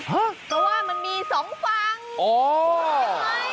เพราะว่ามันมีสองฝั่ง